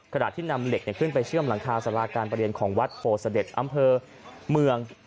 ขณะที่นำเหล็กขึ้นไปเชื่อมหลังคาสาราการประเรียนของวัดโพเสด็จอำเภอเมือง